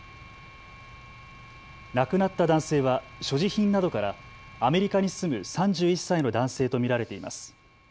亡くなった男性は所持品などからアメリカに住む３１歳の男性と見られています。